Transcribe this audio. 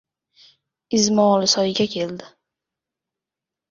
Izmolisoyga keldi.